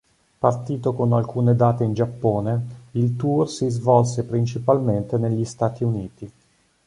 Partito con alcune date in Giappone, il tour si svolse principalmente negli Stati Uniti.